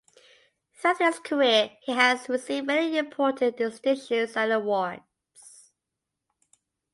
Throughout his career, he has received many important distinctions and awards.